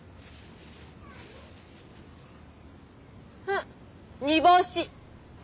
ん煮干し。